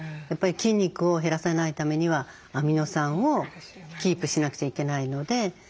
やっぱり筋肉を減らさないためにはアミノ酸をキープしなくちゃいけないので。